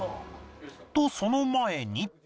とその前に